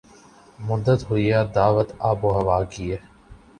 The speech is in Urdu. مدت ہوئی ہے دعوت آب و ہوا کیے